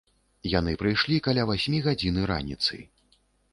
Яны прышлі каля васьмі гадзіны раніцы.